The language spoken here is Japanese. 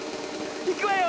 いくわよ！